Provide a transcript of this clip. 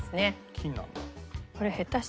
金なんだ。